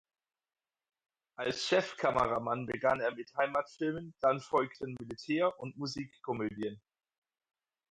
Als Chefkameramann begann er mit Heimatfilmen, dann folgten Militär- und Musikkomödien.